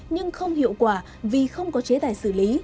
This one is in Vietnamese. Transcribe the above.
nhưng không hiệu quả vì không có chế tài xử lý